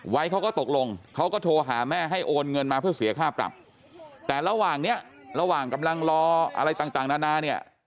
เขาก็ตกลงเขาก็โทรหาแม่ให้โอนเงินมาเพื่อเสียค่าปรับแต่ระหว่างเนี้ยระหว่างกำลังรออะไรต่างนานาเนี่ย